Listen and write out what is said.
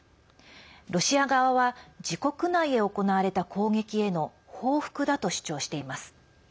ロシア側は自国内へ行われた攻撃への報復だと主張しています。